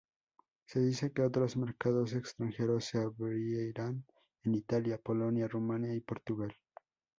Se dice que otros mercados extranjeros se abrirán en Italia, Polonia, Rumania y Portugal.